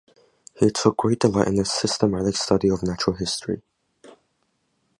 He took great delight in the systematic study of natural history.